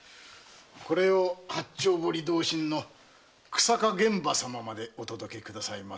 これを八丁堀同心・日下玄馬様までお届けくださいませ。